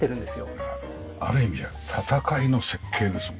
なるほどある意味じゃあ闘いの設計ですね。